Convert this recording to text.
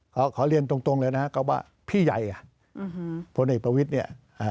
ขอเรียนตรงเลยนะครับก็ว่าพี่ใยพเประวิทธิ์